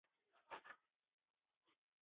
其评价比前两部还糟糕。